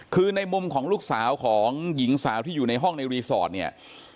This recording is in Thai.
คือในมุมของลูกสาวของหญิงสาวที่อยู่ในห้องในรีสอร์ทเนี่ย